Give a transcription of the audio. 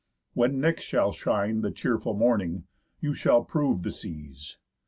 When next shall shine The cheerful morning, you shall prove the seas.